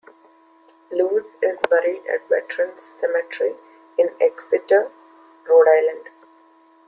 Luz is buried at the Veterans Cemetery in Exeter, Rhode Island.